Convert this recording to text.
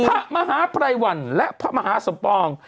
พระมหาภัยวันและพระมหาสมปอง